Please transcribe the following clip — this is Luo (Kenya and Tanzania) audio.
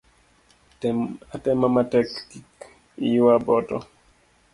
Tem atema matek kik iywa boto